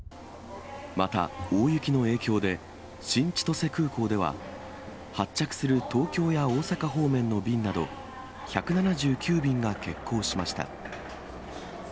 また大雪の影響で、新千歳空港では、発着する東京や大阪方面の便など１７９便が欠航しました。